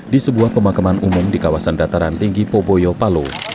di sebuah pemakaman umum di kawasan dataran tinggi poboyo palu